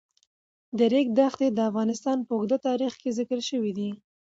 د ریګ دښتې د افغانستان په اوږده تاریخ کې ذکر شوی دی.